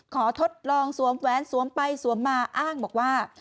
ทดลองสวมแหวนสวมไปสวมมาอ้างบอกว่า